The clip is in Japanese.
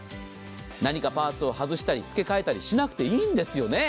何かパーツを外したりつけ替えたりしなくていいんですよね。